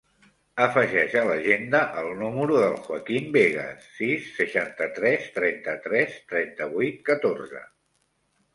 Afegeix a l'agenda el número del Joaquín Vegas: sis, seixanta-tres, trenta-tres, trenta-vuit, catorze.